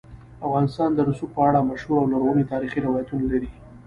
افغانستان د رسوب په اړه مشهور او لرغوني تاریخی روایتونه لري.